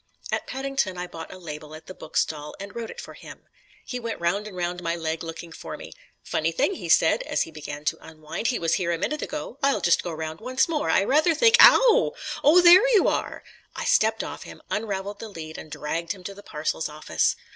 At Paddington I bought a label at the book stall and wrote it for him. He went round and round my leg looking for me. "Funny thing," he said, as he began to unwind, "he was here a moment ago. I'll just go round once more. I rather think.... Ow! Oh, there you are!" I stepped off him, unravelled the lead and dragged him to the Parcels Office.